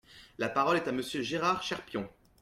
La parole est à Monsieur Gérard Cherpion.